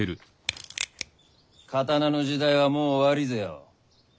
刀の時代はもう終わりぜよ。